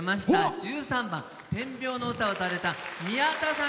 １３番「点描の唄」を歌われたみやたさん